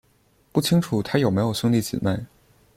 不清楚他有没有兄弟姊妹。